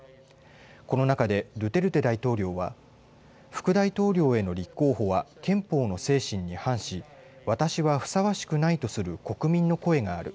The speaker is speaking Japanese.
この中でドゥテルテ大統領は副大統領への立候補は憲法の精神に反し私はふさわしくないとする国民の声がある。